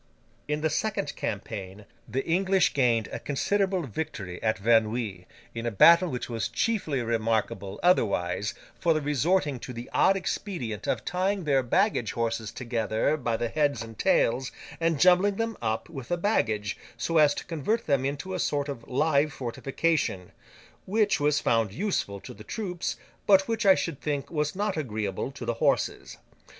In the second campaign, the English gained a considerable victory at Verneuil, in a battle which was chiefly remarkable, otherwise, for their resorting to the odd expedient of tying their baggage horses together by the heads and tails, and jumbling them up with the baggage, so as to convert them into a sort of live fortification—which was found useful to the troops, but which I should think was not agreeable to the horses.